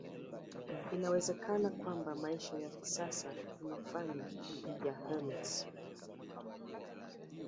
Inawezekana kwamba maisha ya kisasa imefanya ya hermits